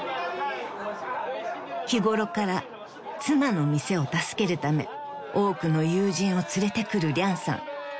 ［日ごろから妻の店を助けるため多くの友人を連れてくるリャンさん］